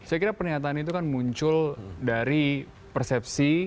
saya kira pernyataan itu kan muncul dari persepsi